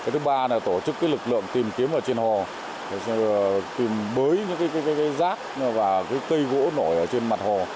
thứ ba là tổ chức lực lượng tìm kiếm ở trên hồ để tìm bới những rác và cây gỗ nổi trên mặt hồ